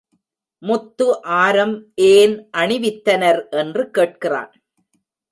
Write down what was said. முத்து ஆரம் ஏன் அணிவித்தனர் என்று கேட்கிறான்.